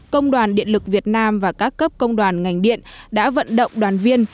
công đoàn điện lực việt nam và các cấp công đoàn ngành điện đã vận động đoàn viên